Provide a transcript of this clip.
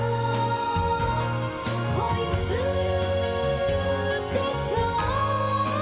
「恋するでしょう」